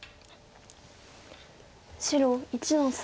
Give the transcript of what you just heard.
白１の三。